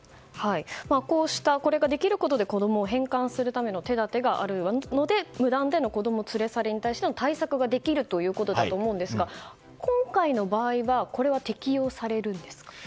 こうした、これができることで子供を返還するための手立てがあるので無断での子供連れ去りに対しての対策ができるということだと思いますが今回の場合はこれは適用されるんですか？